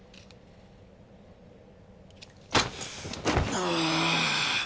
ああ。